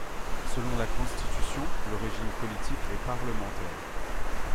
Selon la Constitution, le régime politique est parlementaire.